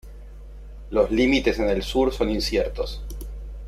Los límites en el sur son inciertos.